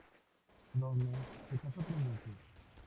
Downey se casó tres veces.